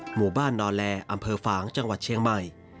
หมู่บ้านนอแลอำเภอฝางจังหวัดเชียงใหม่